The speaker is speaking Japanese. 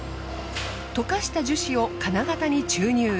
溶かした樹脂を金型に注入。